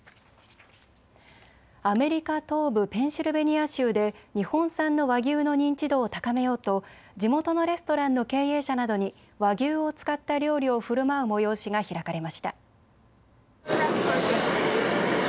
アメリカ東部ペンシルベニア州で日本産の和牛の認知度を高めようと地元のレストランの経営者などに和牛を使った料理をふるまう催しが開かれました。